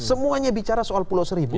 semuanya bicara soal pulau seribu